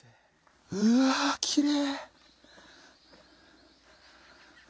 うわきれい！